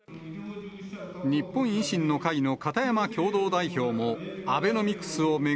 日本維新の会の片山共同代表